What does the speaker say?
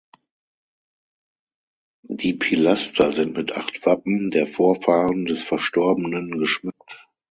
Die Pilaster sind mit acht Wappen der Vorfahren des Verstorbenen geschmückt.